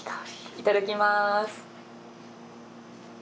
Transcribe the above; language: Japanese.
いただきます。